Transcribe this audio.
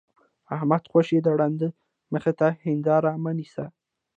احمده! خوشې د ړانده مخ ته هېنداره مه نيسه.